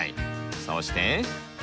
そして。